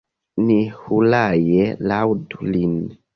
Ni hurae laŭdu lin!